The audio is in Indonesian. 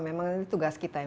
memang ini tugas kita ya